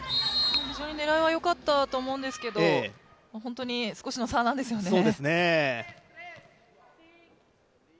非常に狙いはよかったと思うんですけど本当に少しの差なんですよね。